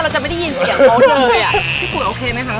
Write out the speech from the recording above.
เราจะไม่ได้ยินเสียงเขาเลยอ่ะพี่ปุ๋ยโอเคไหมคะโอเคค่ะยินแล้ว